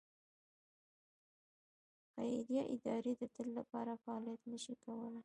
خیریه ادارې د تل لپاره فعالیت نه شي کولای.